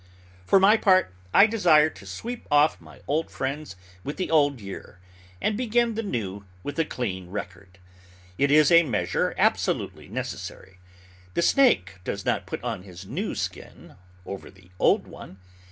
For my part, I desire to sweep off my old friends with the old year, and begin the new with a clean record. It is a measure absolutely necessary. The snake does not put on his new skin over the old one.